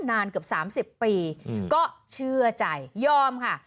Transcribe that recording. นานเกือบ๓๐ปีก็เชื่อใจยอมค่ะ